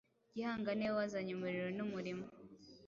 Gihanga niwe wazanye umuriro n’umurimo,